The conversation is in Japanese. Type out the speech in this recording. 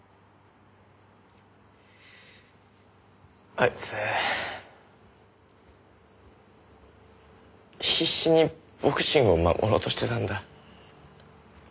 あいつ必死にボクシングを守ろうとしてたんだ。